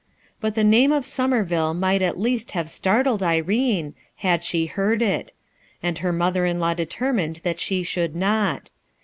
But the name of Somer ville might at least have startled Irene, had she heard it; and her mother in law determined that she should not.